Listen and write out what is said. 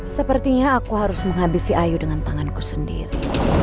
sepertinya aku harus menghabisi ayu dengan tanganku sendiri